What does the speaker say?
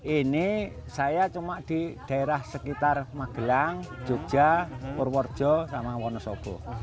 ini saya cuma di daerah sekitar magelang jogja purworejo sama wonosobo